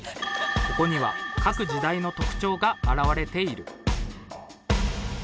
ここには各時代の特徴が表れている